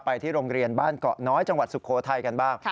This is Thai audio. ที่โรงเรียนบ้านเกาะน้อยจังหวัดสุโขทัยกันบ้าง